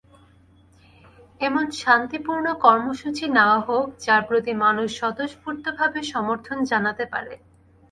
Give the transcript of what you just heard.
এমন শান্তিপূর্ণ কর্মসূচি নেওয়া হোক, যার প্রতি মানুষ স্বতঃস্ফূর্তভাবে সমর্থন জানাতে পারে।